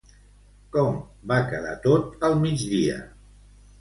Com va quedar tot al migdia?